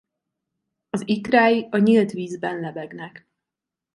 Az ikrái a nyílt vízben lebegnek.